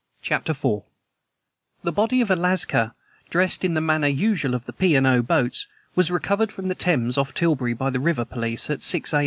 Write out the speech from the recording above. CHAPTER IV "THE body of a lascar, dressed in the manner usual on the P. & O. boats, was recovered from the Thames off Tilbury by the river police at six A.